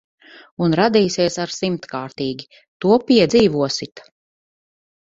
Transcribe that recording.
Un radīsies ar simtkārtīgi. To piedzīvosit.